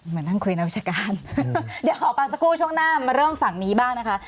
เหมือนนั่งคุยนักวิชาการเดี๋ยวขอพักสักครู่ช่วงหน้ามาเริ่มฝั่งนี้บ้างนะคะ